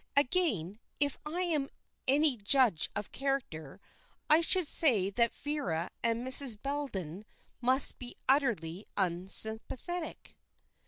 "Again, if I am any judge of character, I should say that Vera and Mrs. Bellenden must be utterly unsympathetic."